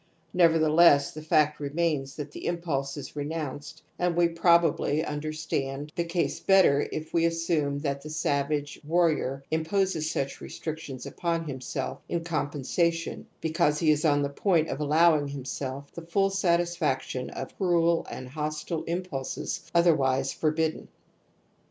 Nevertheless the ^ fact remains that the impulse is renounced and j we probably understand the case better if we assume that the sa\^A^ warrior imposes such restrictions uponJ&nself in compensation, be cause he is on tSTe point of aUowing himself the full satisfaction of cruel and hostile impulses otherwise forbidden.